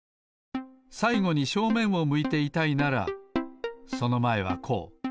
さいごに正面を向いていたいならそのまえはこう。